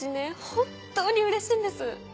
本当にうれしいんです。